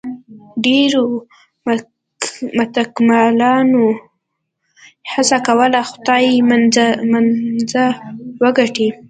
ډېرو متکلمانو هڅه کوله خدای منزه وګڼي.